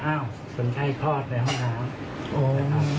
อ้าวคนไข้คลอดในห้องน้ำ